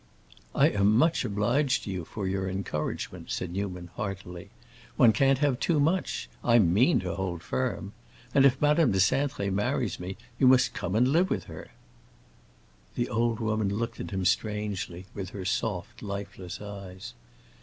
"I am much obliged to you for your encouragement," said Newman, heartily. "One can't have too much. I mean to hold firm. And if Madame de Cintré marries me you must come and live with her." The old woman looked at him strangely, with her soft, lifeless eyes.